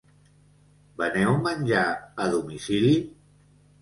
Veneu menjar a domicili?